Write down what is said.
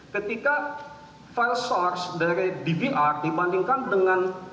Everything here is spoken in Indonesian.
ketika file source dari dvr dibandingkan dengan